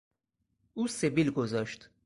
او سبیل گذاشت.